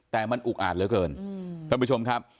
แต่มันอุกอาจเหลือเกินท่านผู้ชมครับ